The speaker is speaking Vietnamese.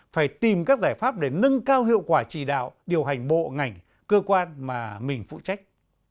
phải tìm các giải pháp để nâng cao hiệu quả chỉ đạo điều hành bộ ngành cơ quan mà mình phụ trách